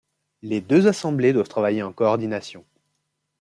Les deux assemblées doivent travailler en coordination.